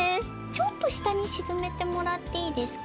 ちょっとしたにしずめてもらっていいですか？